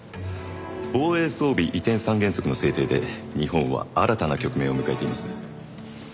防衛装備移転三原則の制定で日本は新たな局面を迎えています。